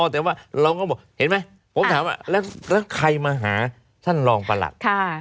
แต่ว่าเราก็บอกเห็นไหมผมถามว่าแล้วใครมาหาท่านรองประหลัด